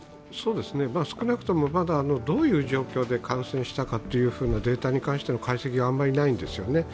少なくとも、まだどういう状況で感染したかというデータに関しての解析があまりないんですよね。